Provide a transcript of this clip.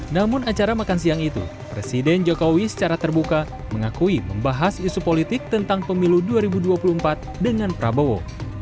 namun acara makan siang itu presiden jokowi secara terbuka mengakui membahas isu politik tentang pemilu dua ribu dua puluh empat dengan prabowo